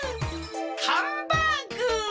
ハンバーグ！